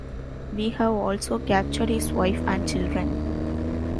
We have also captured his wife and children'.